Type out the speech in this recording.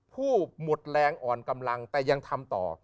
ผู้หมดแรงอ่อนกำลังแต่ยังทำต่อ